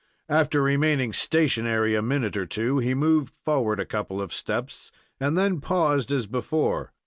After remaining stationary a minute or two, he moved forward a couple of steps, and then paused as before.